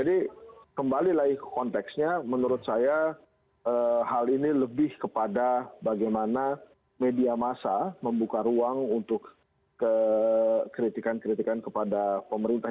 jadi kembali lagi ke konteksnya menurut saya hal ini lebih kepada bagaimana media masa membuka ruang untuk kritikan kritikan kepada pemerintah